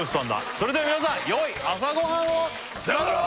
それでは皆さんよい朝ご飯をさよなら